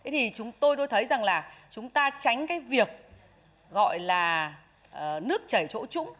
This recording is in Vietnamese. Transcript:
thế thì tôi thấy rằng là chúng ta tránh cái việc gọi là nước chảy chỗ chúng